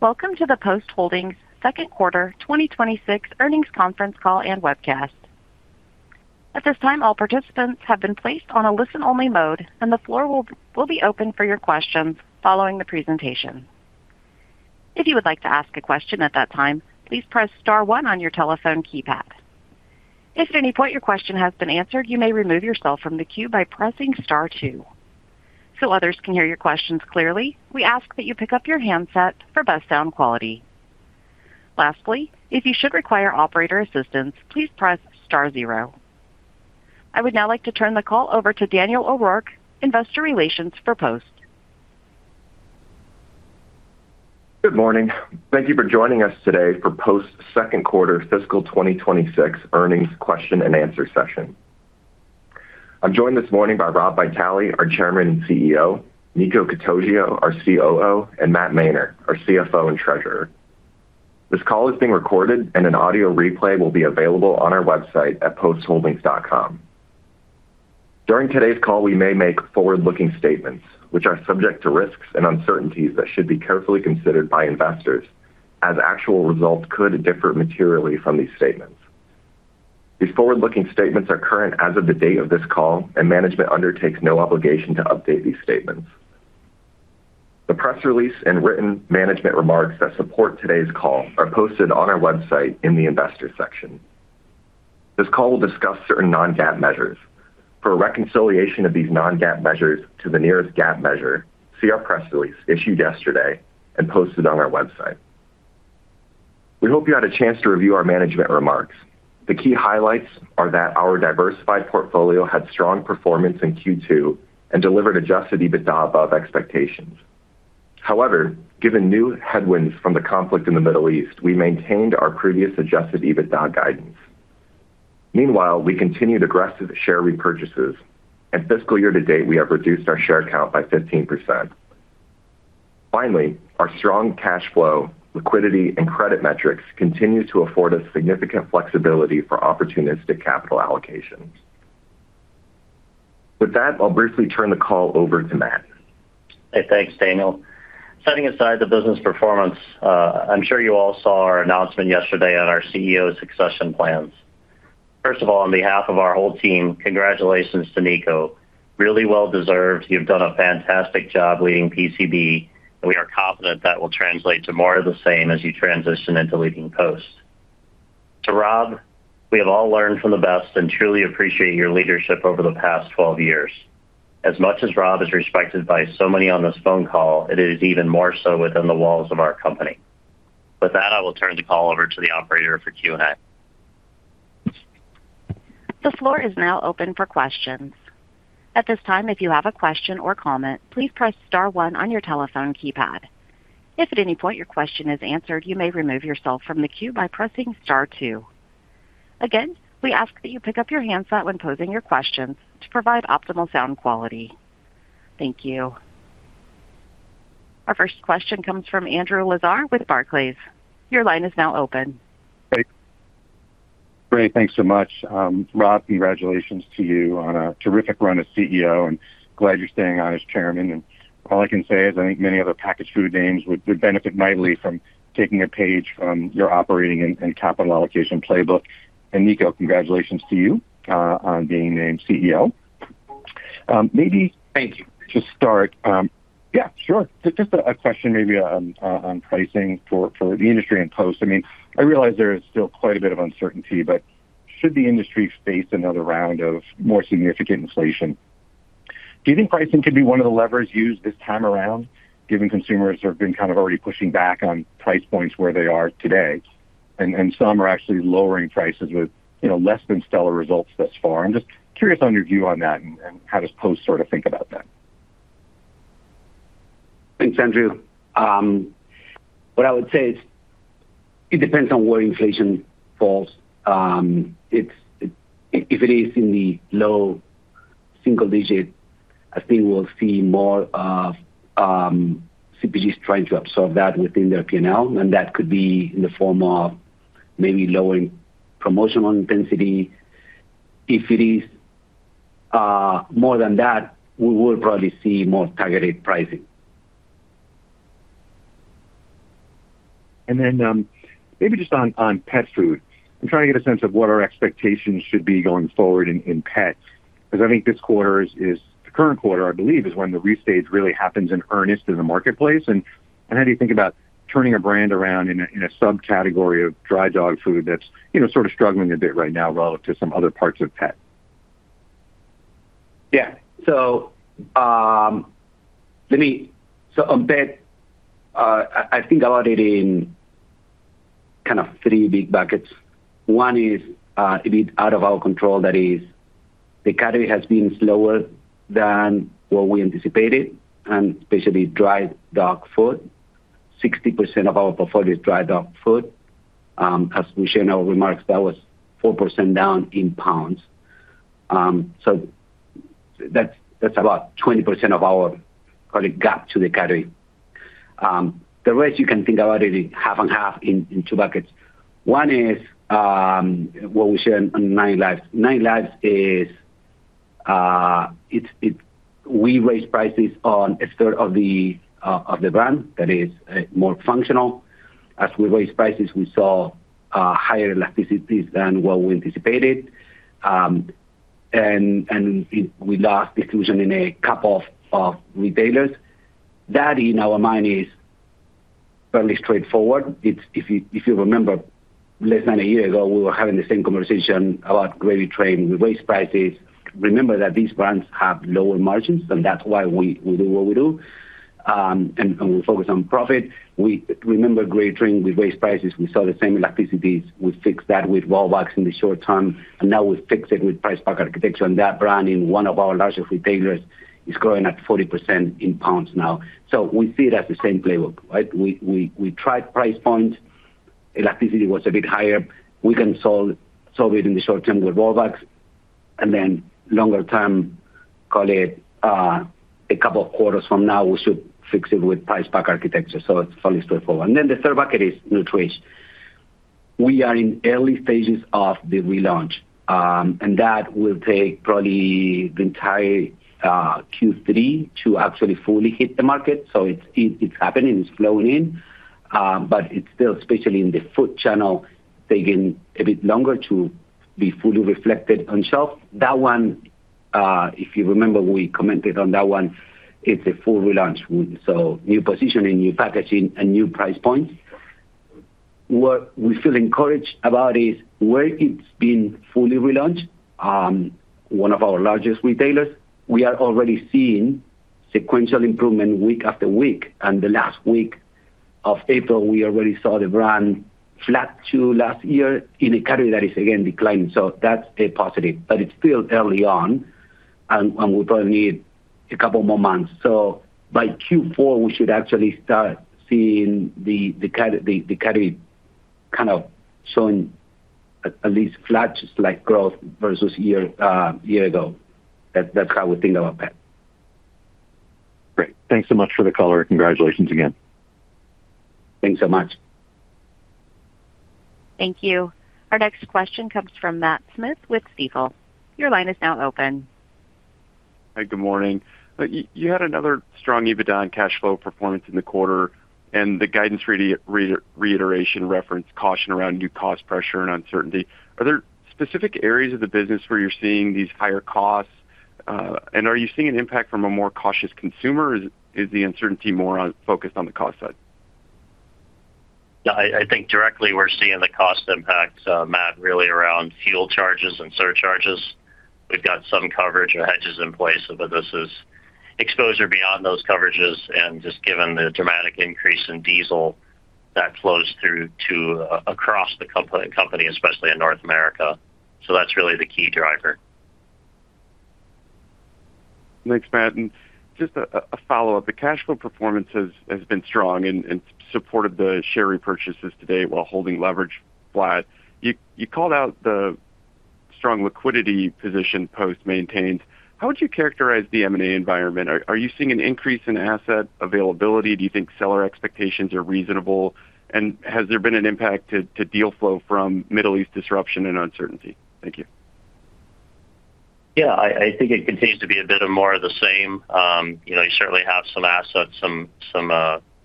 Welcome to the Post Holdings second quarter 2026 earnings conference call and webcast. At this time, all participants have been placed on a listen-only mode, and the floor will be open for your questions following the presentation. If you would like to ask a question at that time, please press star one on your telephone keypad. If at any point your question has been answered, you may remove yourself from the queue by pressing star two. Others can hear your questions clearly, we ask that you pick up your handset for best sound quality. Lastly, if you should require operator assistance, please press star zero. I would now like to turn the call over to Daniel O'Rourke, Investor Relations for Post. Good morning. Thank you for joining us today for Post Holdings second quarter fiscal 2026 earnings question and answer session. I'm joined this morning by Rob Vitale, our Chairman and CEO, Nico Catoggio, our COO, and Matt Mainer, our CFO and Treasurer. This call is being recorded and an audio replay will be available on our website at postholdings.com. During today's call, we may make forward-looking statements, which are subject to risks and uncertainties that should be carefully considered by investors as actual results could differ materially from these statements. These forward-looking statements are current as of the date of this call. Management undertakes no obligation to update these statements. The press release and written management remarks that support today's call are posted on our website in the Investors section. This call will discuss certain non-GAAP measures. For a reconciliation of these non-GAAP measures to the nearest GAAP measure, see our press release issued yesterday and posted on our website. We hope you had a chance to review our management remarks. The key highlights are that our diversified portfolio had strong performance in Q2 and delivered Adjusted EBITDA above expectations. Given new headwinds from the conflict in the Middle East, we maintained our previous Adjusted EBITDA guidance. We continued aggressive share repurchases, and fiscal year to date we have reduced our share count by 15%. Our strong cash flow, liquidity and credit metrics continue to afford us significant flexibility for opportunistic capital allocations. With that, I'll briefly turn the call over to Matt. Hey, thanks, Daniel. Setting aside the business performance, I'm sure you all saw our announcement yesterday on our CEO succession plans. First of all, on behalf of our whole team, congratulations to Nico. Really well deserved. You've done a fantastic job leading PCB, and we are confident that will translate to more of the same as you transition into leading Post. To Rob, we have all learned from the best and truly appreciate your leadership over the past 12 years. As much as Rob is respected by so many on this phone call, it is even more so within the walls of our company. With that, I will turn the call over to the operator for Q&A. The floor is now open for questions. At this time, if you have a question or comment, please press star one on your telephone keypad. If at any point your question is answered, you may remove yourself from the queue by pressing star two. Again, we ask that you pick up your handset when posing your questions to provide optimal sound quality. Thank you. Our first question comes from Andrew Lazar with Barclays. Your line is now open. Great. Thanks so much. Rob, congratulations to you on a terrific run as CEO, and glad you're staying on as Chairman. All I can say is I think many other packaged food names would benefit mightily from taking a page from your operating and capital allocation playbook. Nico, congratulations to you on being named COO. Thank you. To start, yeah, sure. Just a question maybe on pricing for the industry and Post. I mean, I realize there is still quite a bit of uncertainty, but should the industry face another round of more significant inflation, do you think pricing could be one of the levers used this time around given consumers have been kind of already pushing back on price points where they are today and some are actually lowering prices with, you know, less than stellar results thus far? I'm just curious on your view on that and how does Post sort of think about that? Thanks, Andrew. What I would say is it depends on where inflation falls. If it is in the low single digit, I think we'll see more of CPGs trying to absorb that within their P&L, and that could be in the form of maybe lowering promotional intensity. If it is more than that, we will probably see more targeted pricing. Maybe just on pet food. I'm trying to get a sense of what our expectations should be going forward in pets. Because I think this quarter, the current quarter, I believe, is when the restage really happens in earnest in the marketplace. How do you think about turning a brand around in a subcategory of dry dog food that's, you know, sort of struggling a bit right now relative to some other parts of pet? Yeah. On pet, I think about it in kind of three big buckets. One is a bit out of our control. That is the category has been slower than what we anticipated, and especially dry dog food. 60% of our portfolio is dry dog food. As we shared in our remarks, that was 4% down in pounds. That's about 20% of our kind of gap to the category. The rest you can think about it is half and half in two buckets. One is what we shared on 9Lives. 9Lives. We raised prices on a third of the brand that is more functional. As we raised prices, we saw higher elasticities than what we anticipated. We lost exclusion in a couple of retailers. That in our mind is fairly straightforward. It's if you remember less than a year ago, we were having the same conversation about Gravy Train. We raised prices. Remember that these brands have lower margins, and that's why we do what we do. We focus on profit. We remember Gravy Train, we raised prices, we saw the same elasticities. We fixed that with rollbacks in the short term, and now we've fixed it with price pack architecture. That brand in one of our largest retailers is growing at 40% in pounds now. We see it as the same playbook, right? We tried price point. Elasticity was a bit higher. We can solve it in the short term with rollbacks. Longer term, call it, 2 quarters from now, we should fix it with price pack architecture. It's fairly straightforward. The third bucket is Nutrish. We are in early stages of the relaunch, that will take probably the entire Q3 to actually fully hit the market. It's happening, it's flowing in, it's still, especially in the food channel, taking a bit longer to be fully reflected on shelf. That one, if you remember, we commented on that one. It's a full relaunch with new positioning, new packaging and new price points. What we feel encouraged about is where it's been fully relaunched, one of our largest retailers, we are already seeing sequential improvement week after week. The last week of April, we already saw the brand flat to last year in a category that is again declining. That's a positive, but it's still early on and we probably need a couple more months. By Q4, we should actually start seeing the category kind of showing at least flat slight growth versus year ago. That's how we think about that. Great. Thanks so much for the color. Congratulations again. Thanks so much. Thank you. Our next question comes from Matthew Smith with Stifel. Your line is now open. Hi, good morning. You had another strong EBITDA and cash flow performance in the quarter, and the guidance reiteration referenced caution around new cost pressure and uncertainty. Are there specific areas of the business where you're seeing these higher costs? Are you seeing an impact from a more cautious consumer, or is the uncertainty more focused on the cost side? Yeah, I think directly we're seeing the cost impact, Matt, really around fuel charges and surcharges. We've got some coverage or hedges in place, but this is exposure beyond those coverages and just given the dramatic increase in diesel that flows through to across the company, especially in North America. That's really the key driver. Thanks, Matt. Just a follow-up. The cash flow performance has been strong and supported the share repurchases today while holding leverage flat. You called out the strong liquidity position Post maintained. How would you characterize the M&A environment? Are you seeing an increase in asset availability? Do you think seller expectations are reasonable? Has there been an impact to deal flow from Middle East disruption and uncertainty? Thank you. Yeah, I think it continues to be a bit of more of the same. You know, you certainly have some assets, some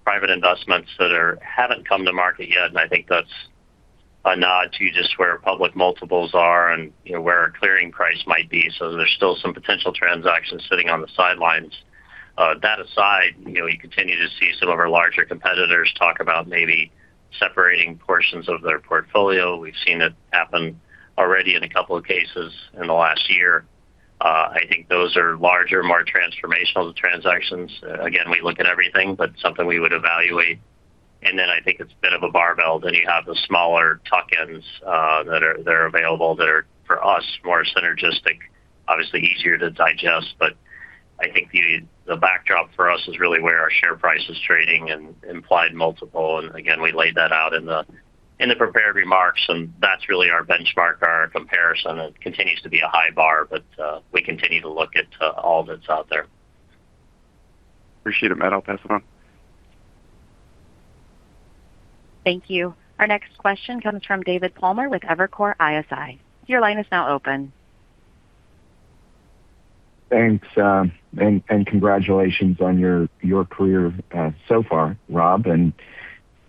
private investments that haven't come to market yet, and I think that's a nod to just where public multiples are and, you know, where a clearing price might be. There's still some potential transactions sitting on the sidelines. That aside, you know, you continue to see some of our larger competitors talk about maybe separating portions of their portfolio. We've seen it happen already in a couple of cases in the last year. I think those are larger, more transformational transactions. Again, we look at everything, but something we would evaluate. I think it's a bit of a barbell. You have the smaller tuck-ins, that are available that are, for us, more synergistic, obviously easier to digest. I think the backdrop for us is really where our share price is trading and implied multiple. Again, we laid that out in the prepared remarks, and that's really our benchmark, our comparison. It continues to be a high bar. We continue to look at all that's out there. Appreciate it, Matt. I'll pass it on. Thank you. Our next question comes from David Palmer with Evercore ISI. Your line is now open. Thanks, and congratulations on your career, so far, Rob,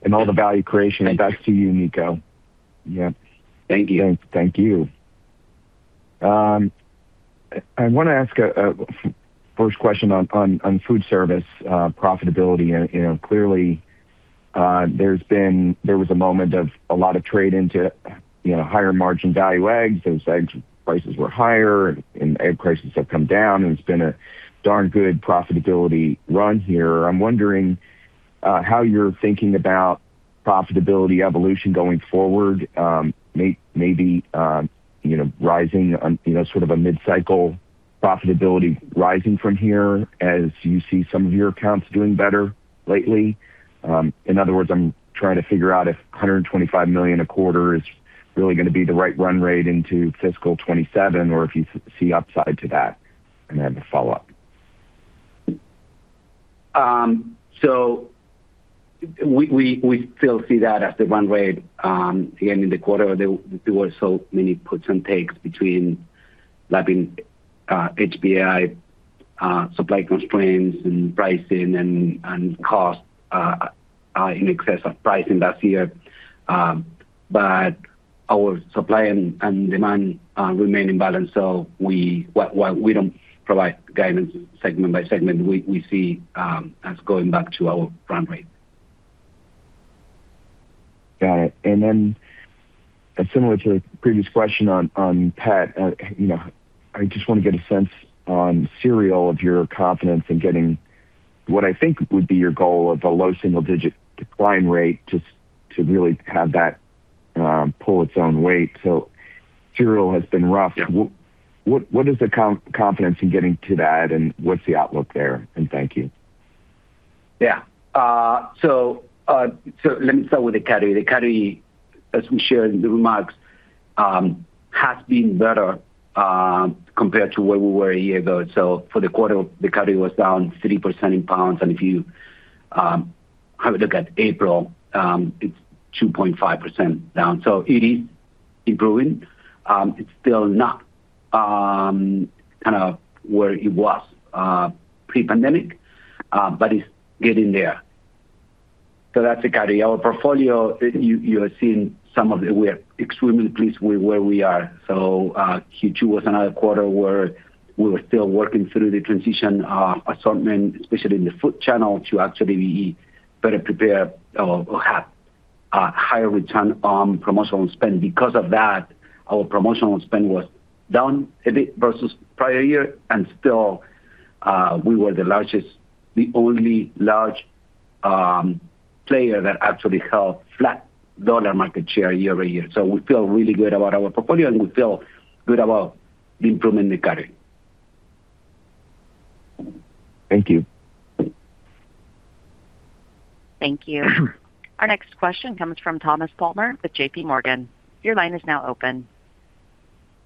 and all the value creation. Thank you. back to you, Nico. Yeah. Thank you. Thank you. I want to ask a first question on food service profitability. You know, clearly, there was a moment of a lot of trade into, you know, higher margin value eggs since egg prices were higher and egg prices have come down, and it's been a darn good profitability run here. I'm wondering how you're thinking about profitability evolution going forward. Maybe, you know, rising on, you know, sort of a mid-cycle profitability rising from here as you see some of your accounts doing better lately. In other words, I'm trying to figure out if $125 million a quarter is really gonna be the right run rate into fiscal 2027 or if you see upside to that. I have a follow-up. We still see that as the run rate, again, in the quarter there were so many puts and takes between lapping HPAI, supply constraints and pricing and cost in excess of pricing last year. But our supply and demand are remaining balanced, so while we don't provide guidance segment by segment, we see us going back to our run rate. Got it. Then similar to the previous question on pet, you know, I just wanna get a sense on cereal of your confidence in getting what I think would be your goal of a low single-digit decline rate just to really have that pull its own weight. Cereal has been rough. Yeah. What is the confidence in getting to that, and what's the outlook there? Thank you. Let me start with the category. The category, as we shared in the remarks, has been better compared to where we were a year ago. For the quarter, the category was down 3% in pounds, and if you have a look at April, it's 2.5% down. It is improving. It's still not kind of where it was pre-pandemic, but it's getting there. That's the category. Our portfolio, you are seeing some of it. We are extremely pleased with where we are. Q2 was another quarter where we were still working through the transition assortment, especially in the food channel, to actually be better prepared or have a higher return on promotional spend. Our promotional spend was down a bit versus prior year and still, we were the only large player that actually held flat dollar market share year-over-year. We feel really good about our portfolio, and we feel good about the improvement in the category. Thank you. Thank you. Our next question comes from Thomas Palmer with JPMorgan. Your line is now open.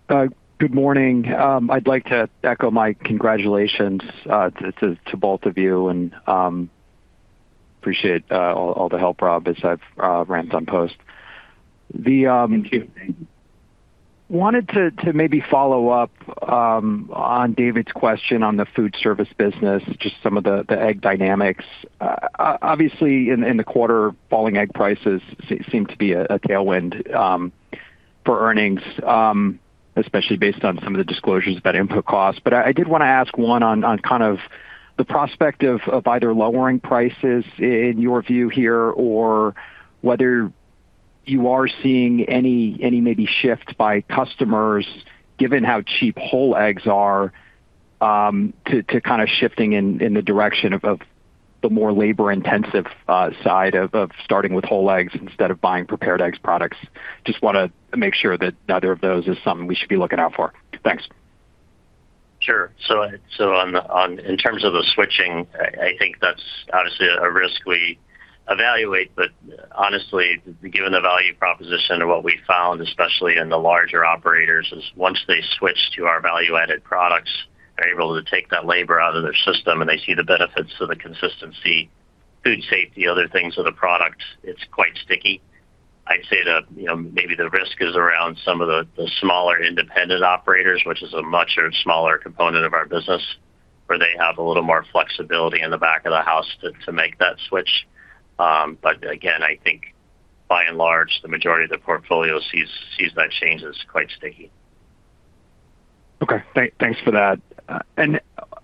Good morning. I'd like to echo my congratulations to both of you and appreciate all the help, Rob, as I've ramped on Post. Thank you. wanted to maybe follow up on David's question on the food service business, just some of the egg dynamics. Obviously in the quarter, falling egg prices seem to be a tailwind for earnings, especially based on some of the disclosures about input costs. I did wanna ask one on kind of the prospect of either lowering prices in your view here or whether you are seeing any maybe shift by customers given how cheap whole eggs are to kind of shifting in the direction of the more labor-intensive side of starting with whole eggs instead of buying prepared egg products. I just wanna make sure that neither of those is something we should be looking out for. Thanks. Sure. On in terms of the switching, I think that's obviously a risk we evaluate. Honestly, given the value proposition and what we found, especially in the larger operators, is once they switch to our value-added products, they're able to take that labor out of their system and they see the benefits of the consistency, food safety, other things of the product, it's quite sticky. I'd say the, you know, maybe the risk is around some of the smaller independent operators, which is a much smaller component of our business, where they have a little more flexibility in the back of the house to make that switch. Again, I think by and large, the majority of the portfolio sees that change as quite sticky. Okay. Thanks for that.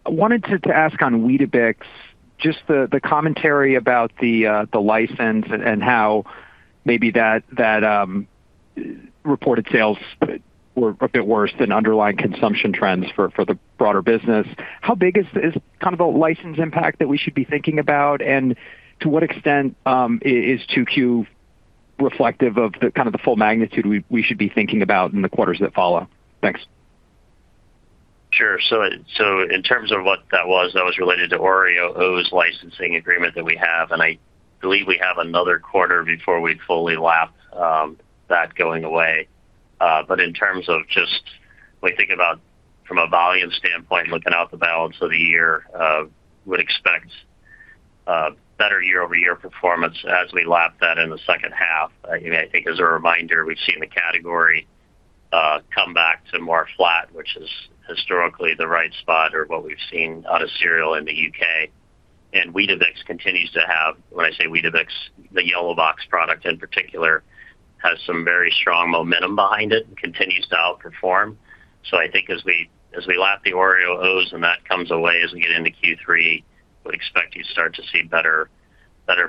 Wanted to ask on Weetabix, just the commentary about the license and how maybe that reported sales were a bit worse than underlying consumption trends for the broader business. How big is kind of a license impact that we should be thinking about? To what extent is 2Q reflective of the kind of the full magnitude we should be thinking about in the quarters that follow? Thanks. Sure. In terms of what that was, that was related to Oreo O's licensing agreement that we have, and I believe we have another quarter before we fully lap that going away. In terms of just when we think about from a volume standpoint looking out the balance of the year, would expect better year-over-year performance as we lap that in the second half. You know, I think as a reminder, we've seen the category come back to more flat, which is historically the right spot or what we've seen out of cereal in the U.K. When I say Weetabix, the yellow box product in particular has some very strong momentum behind it and continues to outperform. I think as we lap the Oreo O's and that comes away as we get into Q3, we expect you start to see better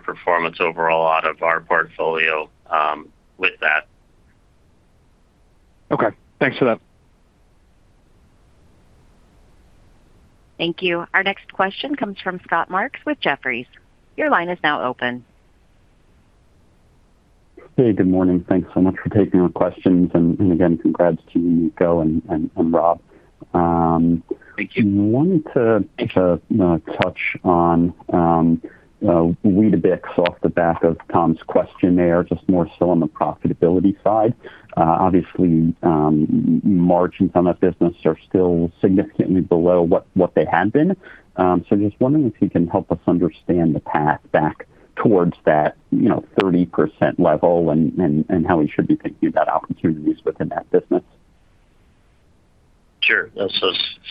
performance overall out of our portfolio with that. Okay. Thanks for that. Thank you. Our next question comes from Scott Marks with Jefferies. Your line is now open. Hey, good morning. Thanks so much for taking our questions and again, congrats to Nico and Rob. Thank you. Wanted to, you know, touch on Weetabix off the back of Thomas' question there, just more so on the profitability side. Obviously, margins on that business are still significantly below what they had been. Just wondering if you can help us understand the path back towards that, you know, 30% level and how we should be thinking about opportunities within that business.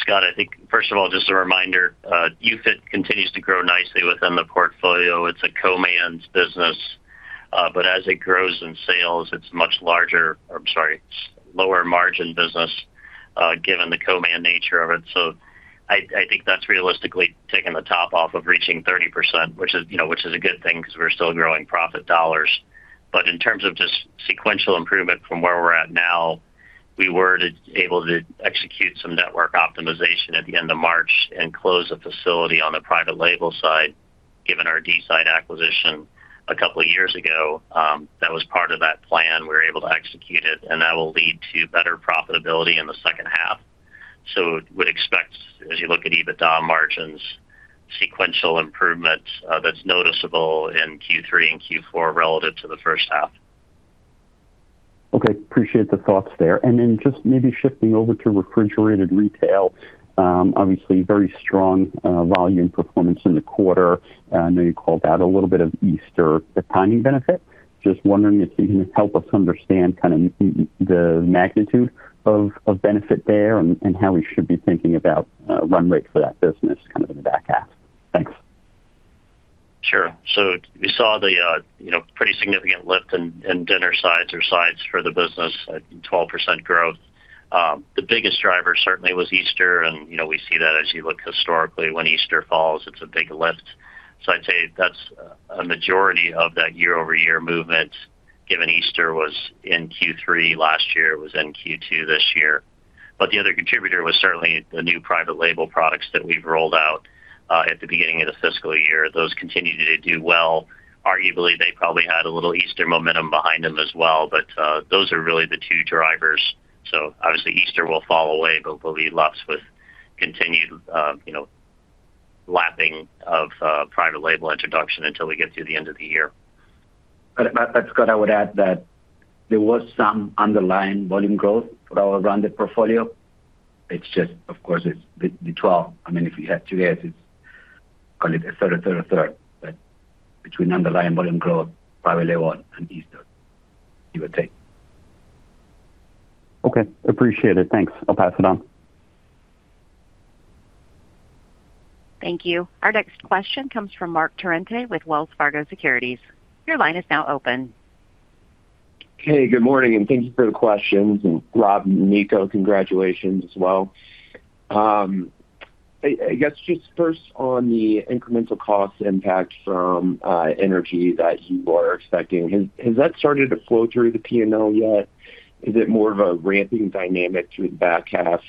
Scott, I think first of all, just a reminder, UFit continues to grow nicely within the portfolio. It's a co-managed business, but as it grows in sales it's lower margin business, given the co-managed nature of it. I think that's realistically taken the top off of reaching 30%, which is, you know, which is a good thing 'cause we're still growing profit dollars. In terms of just sequential improvement from where we're at now, we were able to execute some network optimization at the end of March and close a facility on the private label side, given our Deeside acquisition 2 years ago. That was part of that plan. We were able to execute it, and that will lead to better profitability in the second half. Would expect as you look at EBITDA margins, sequential improvement, that's noticeable in Q3 and Q4 relative to the first half. Okay. Appreciate the thoughts there. Just maybe shifting over to refrigerated retail, obviously very strong volume performance in the quarter. I know you called out a little bit of Easter, the timing benefit. Just wondering if you can help us understand the magnitude of benefit there and how we should be thinking about run rate for that business kind of in the back half. Thanks. Sure. We saw the, you know, pretty significant lift in dinner sides or sides for the business at 12% growth. The biggest driver certainly was Easter and, you know, we see that as you look historically, when Easter falls, it's a big lift. I'd say that's a majority of that year-over-year movement given Easter was in Q3 last year, it was in Q2 this year. The other contributor was certainly the new private label products that we've rolled out at the beginning of the fiscal year. Those continue to do well. Arguably, they probably had a little Easter momentum behind them as well, those are really the two drivers. Obviously Easter will fall away, we'll be left with continued, you know, lapping of private label introduction until we get to the end of the year. Scott, I would add that there was some underlying volume growth for our rounded portfolio. It's just, of course, it's I mean, if you had two As, it's call it a third, between underlying volume growth, private label and Easter, you would say. Okay. Appreciate it. Thanks. I'll pass it on. Thank you. Our next question comes from Marc Torrente with Wells Fargo Securities. Your line is now open. Hey, good morning, and thank you for the questions. Rob and Nico, congratulations as well. I guess just first on the incremental cost impact from energy that you are expecting, has that started to flow through the P&L yet? Is it more of a ramping dynamic through the back half?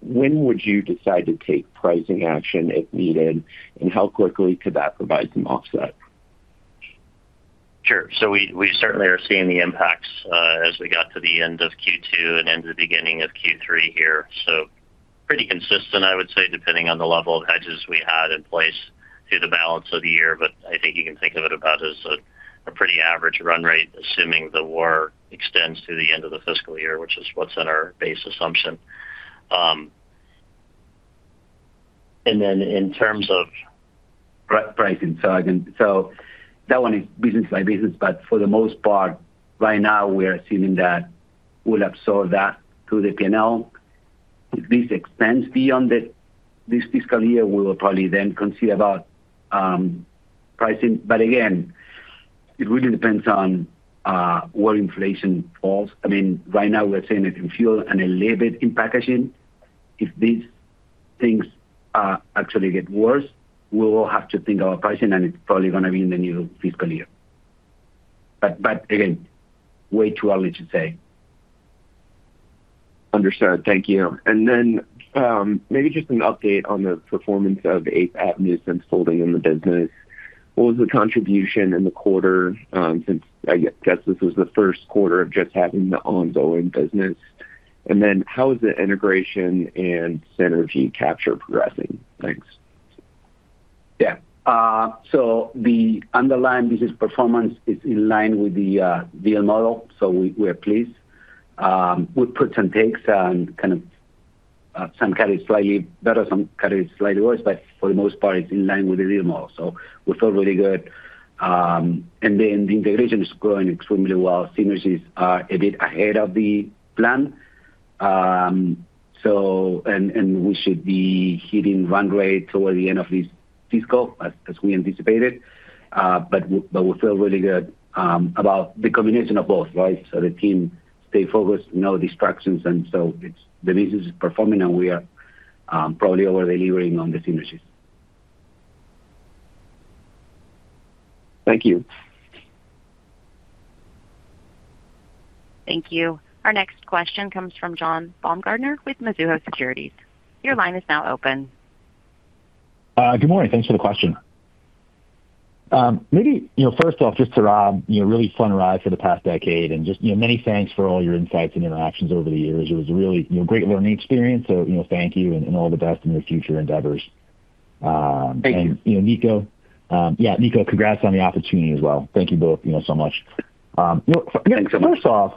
When would you decide to take pricing action if needed, and how quickly could that provide some offset? Sure. We certainly are seeing the impacts as we got to the end of Q2 and into the beginning of Q3 here. Pretty consistent, I would say, depending on the level of hedges we had in place through the balance of the year. I think you can think of it about as a pretty average run rate, assuming the war extends to the end of the fiscal year, which is what's in our base assumption. Pricing. Again, that one is business by business, but for the most part, right now we are assuming that we'll absorb that through the P&L. If this extends beyond this fiscal year, we will probably then consider about pricing. Again, it really depends on where inflation falls. I mean, right now we're seeing it in fuel and a little bit in packaging. If these things actually get worse, we will have to think about pricing and it's probably gonna be in the new fiscal year. But again, way too early to say. Understood. Thank you. Maybe just an update on the performance of 8th Avenue since folding in the business. What was the contribution in the quarter since this was the first quarter of just having the ongoing business? How is the integration and synergy capture progressing? Thanks. The underlying business performance is in line with the deal model. We are pleased. We put some takes and kind of some categories slightly better, some categories slightly worse, but for the most part, it's in line with the deal model. We feel really good. The integration is going extremely well. Synergies are a bit ahead of the plan. We should be hitting run rate toward the end of this fiscal as we anticipated. We feel really good about the combination of both, right? The team stay focused, no distractions, the business is performing and we are probably over-delivering on the synergies. Thank you. Thank you. Our next question comes from John Baumgartner with Mizuho Securities. Your line is now open. Good morning. Thanks for the question. Maybe, you know, first off, just to Rob Vitale, you know, really fun ride for the past decade and just, you know, many thanks for all your insights and interactions over the years. It was a really, you know, great learning experience. Thank you and all the best in your future endeavors. Thank you. you know, Nico, yeah, Nico, congrats on the opportunity as well. Thank you both, you know, so much. Thanks so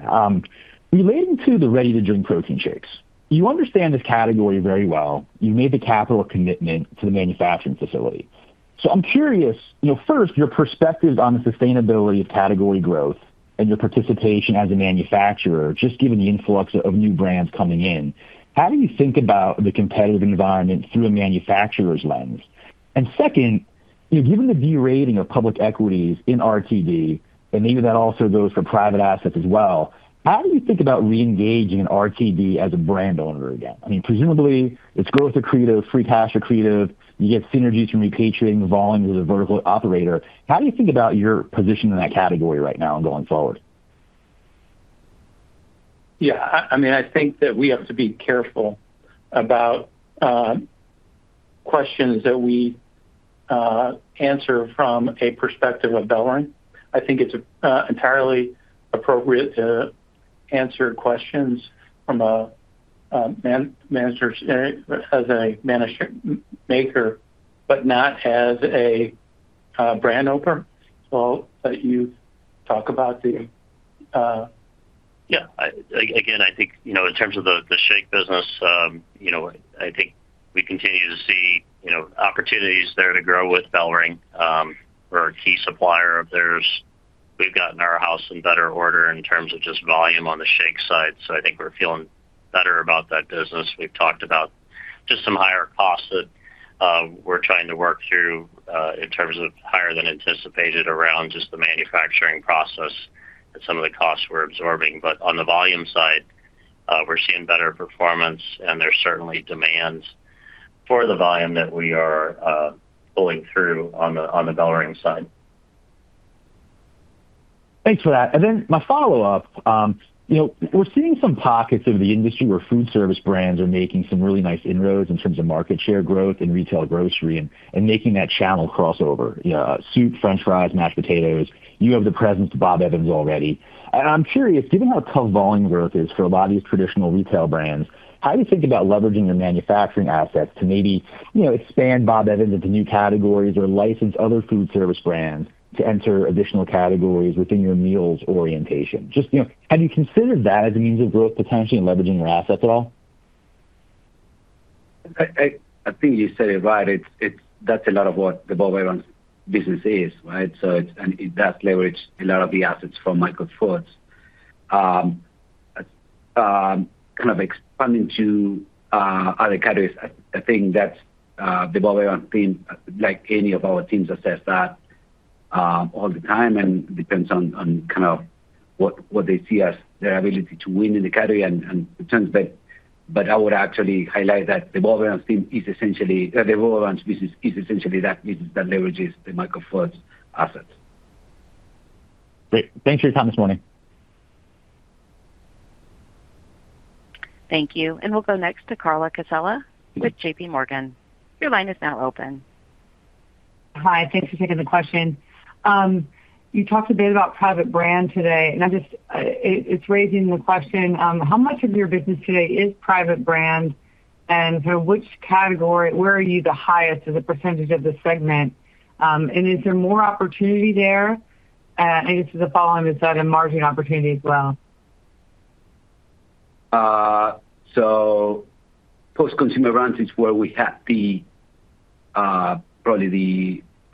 much. Relating to the ready-to-drink protein shakes, you understand this category very well. You made the capital commitment to the manufacturing facility. I'm curious, you know, first, your perspective on the sustainability of category growth and your participation as a manufacturer, just given the influx of new brands coming in, how do you think about the competitive environment through a manufacturer's lens? Second, you know, given the B rating of public equities in RTD, and maybe that also goes for private assets as well, how do you think about re-engaging in RTD as a brand owner again? I mean, presumably it's growth accretive, free cash accretive. You get synergies from repatriating volume with a vertical operator. How do you think about your position in that category right now and going forward? Yeah, I mean, I think that we have to be careful about questions that we answer from a perspective of BellRing. I think it's entirely appropriate to answer questions from a manufacturer, but not as a brand owner. I'll let you talk about the. Yeah. Again, I think, you know, in terms of the shake business, you know, I think we continue to see, you know, opportunities there to grow with BellRing, we're a key supplier of theirs. We've gotten our house in better order in terms of just volume on the shake side. I think we're feeling better about that business. We've talked about just some higher costs that we're trying to work through in terms of higher than anticipated around just the manufacturing process and some of the costs we're absorbing. On the volume side, we're seeing better performance, and there's certainly demand for the volume that we are pulling through on the BellRing side. Thanks for that. Then my follow-up, you know, we're seeing some pockets of the industry where food service brands are making some really nice inroads in terms of market share growth in retail grocery and making that channel crossover, you know, soup, french fries, mashed potatoes. You have the presence of Bob Evans already. I'm curious, given how tough volume growth is for a lot of these traditional retail brands, how do you think about leveraging the manufacturing assets to maybe, you know, expand Bob Evans into new categories or license other food service brands to enter additional categories within your meals orientation? Just, you know, have you considered that as a means of growth potentially in leveraging your assets at all? I think you said it right. It's that's a lot of what the Bob Evans business is, right? It does leverage a lot of the assets from Michael Foods. kind of expanding to other categories, I think that the Bob Evans team, like any of our teams, assess that all the time and depends on kind of what they see as their ability to win in the category and the trends there. I would actually highlight that the Bob Evans team is the Bob Evans business is essentially that business that leverages the Michael Foods assets. Great. Thanks for your time this morning. Thank you. We'll go next to Carla Casella with JPMorgan. Hi. Thanks for taking the question. You talked a bit about private brand today, and it's raising the question, how much of your business today is private brand and sort of where are you the highest as a percentage of the segment? Is there more opportunity there? I guess the follow-on to that, and margin opportunity as well. Post Consumer Brands is where we have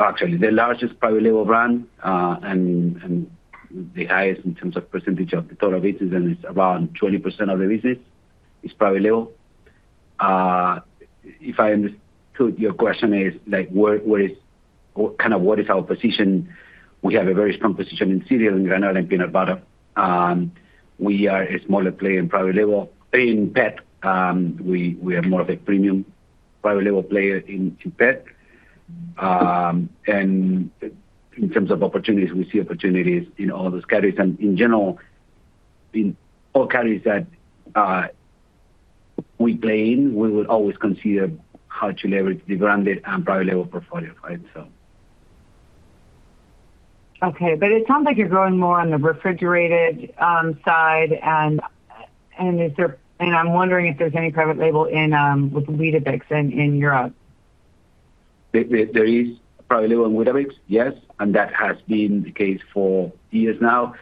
actually the largest private label brand and the highest in terms of percentage of the total business, and it's around 20% of the business is private label. If I understood, your question is like, what is our position? We have a very strong position in cereal and granola and peanut butter. We are a smaller player in private label in pet. We are more of a premium private label player into pet. In terms of opportunities, we see opportunities in all those categories. In general, in all categories that we play in, we would always consider how to leverage the branded and private label portfolio, right? Okay. It sounds like you're growing more on the refrigerated side and I'm wondering if there's any private label in with Weetabix in Europe? There is private label in Weetabix, yes, and that has been the case for years now.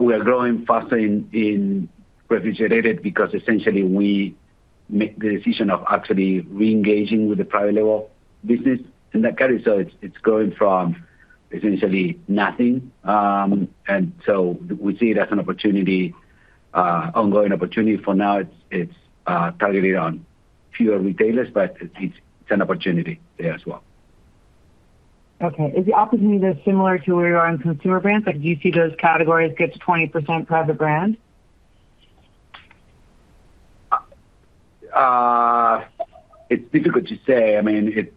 We are growing faster in refrigerated because essentially we make the decision of actually re-engaging with the private label business in that category. It's going from essentially nothing. We see it as an opportunity, ongoing opportunity. For now it's targeted on fewer retailers, but it's an opportunity there as well. Okay. Is the opportunity there similar to where you are in consumer brands? Like, do you see those categories get to 20% private brand? It's difficult to say. I mean,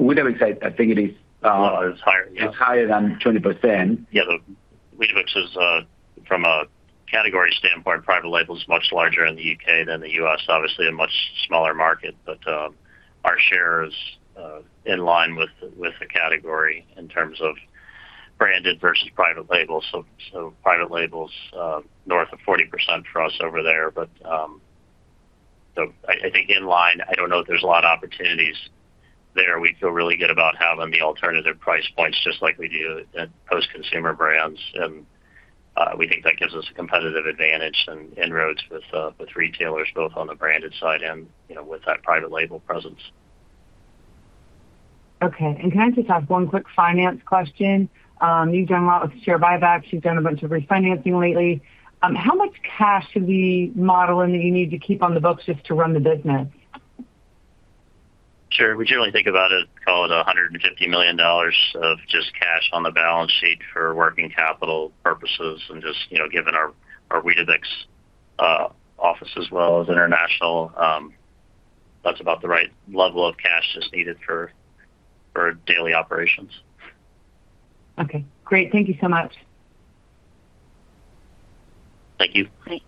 Weetabix, I think it is. Well, it's higher, yes. it's higher than 20%. Weetabix is from a category standpoint, private label is much larger in the U.K. than the U.S., obviously a much smaller market. Our share is in line with the category in terms of branded versus private label. Private label is north of 40% for us over there. I think in line, I don't know that there's a lot of opportunities there. We feel really good about having the alternative price points just like we do at Post Consumer Brands. We think that gives us a competitive advantage and inroads with retailers both on the branded side and, you know, with that private label presence. Okay. Can I just ask one quick finance question? You've done a lot with share buybacks. You've done a bunch of refinancing lately. How much cash should we model in that you need to keep on the books just to run the business? Sure. We generally think about it, call it $150 million of just cash on the balance sheet for working capital purposes. Just, you know, given our Weetabix office as well as international, that's about the right level of cash that's needed for daily operations. Okay, great. Thank you so much. Thank you. Thanks.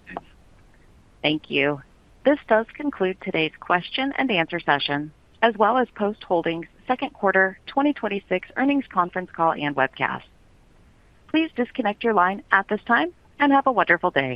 Thank you. This does conclude today's question and answer session, as well as Post Holdings' second quarter 2026 earnings conference call and webcast. Please disconnect your line at this time, and have a wonderful day.